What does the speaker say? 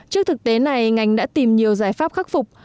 trước thực tế này ngành đã tìm nhiều giải pháp khắc phục